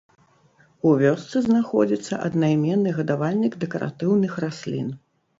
У вёсцы знаходзіцца аднайменны гадавальнік дэкаратыўных раслін.